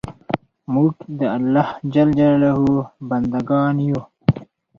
موږ د الله ج بندګان یو